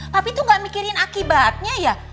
papi tuh nggak mikirin akibatnya ya